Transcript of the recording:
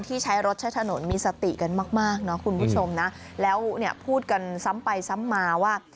ใช้รถใช้ถนนมีสติกันมากมากนะคุณผู้ชมนะแล้วเนี่ยพูดกันซ้ำไปซ้ำมาว่า